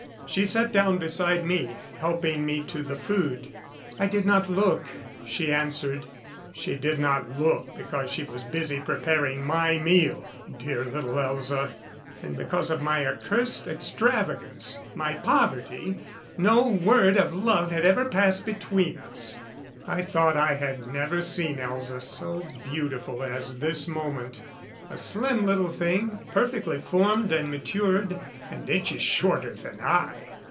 She sat down beside me, helping me to the food. "I did not look," she answered. She did not look, because she was busy preparing my meal! Dear little Elza! And because of my accursed extravagance my poverty no word of love had ever passed between us! I thought I had never seen Elza so beautiful as this moment. A slim little thing, perfectly formed and matured, and inches shorter than I.